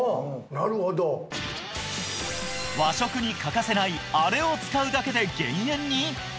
なるほど和食に欠かせないあれを使うだけで減塩に？